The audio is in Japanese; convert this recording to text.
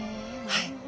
はい。